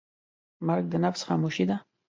مرګ د نفس خاموشي ده.